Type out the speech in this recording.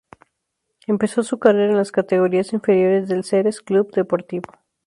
Empezó su carrera en las categorías inferiores del Xerez Club Deportivo.